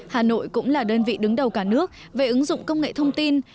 hà nội cũng là đơn vị đứng đầu cả nước về ứng dụng công nghệ thông tin